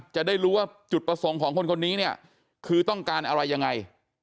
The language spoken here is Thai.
จะได้รู้ว่าจุดประสงค์ของคนคนนี้เนี่ยคือต้องการอะไรยังไง